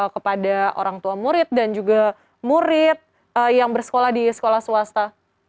kepada orang tua murid dan juga murid yang bersekolah di sekolah swasta